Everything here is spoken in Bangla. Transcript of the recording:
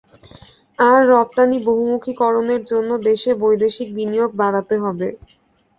আর রপ্তানি বহুমুখীকরণের জন্য দেশে বৈদেশিক বিনিয়োগ বাড়াতে হবে।